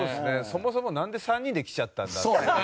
そもそもなんで３人で来ちゃったんだっていうね